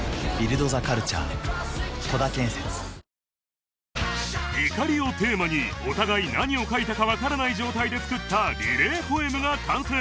続く「怒り」をテーマにお互い何を書いたかわからない状態で作ったリレーポエムが完成